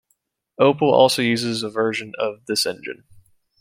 Opel also uses a version of this engine.